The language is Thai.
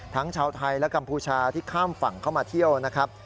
ชาวไทยและกัมพูชาที่ข้ามฝั่งเข้ามาเที่ยวนะครับ